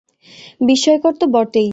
বিস্ময়কর তো বটেই।